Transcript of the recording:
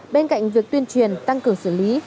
bên cạnh việc tuyên truyền tăng cường xử lý